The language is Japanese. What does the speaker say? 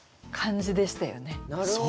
なるほど。